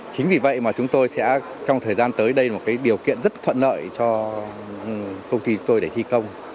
chính vì vậy mà chúng tôi sẽ trong thời gian tới đây là một điều kiện rất thuận lợi cho công ty tôi để thi công